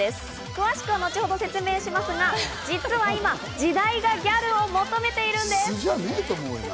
詳しくは後ほど説明しますが、実は今、時代がギャルを求めてるんです。